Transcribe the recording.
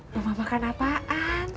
rumah makan apaan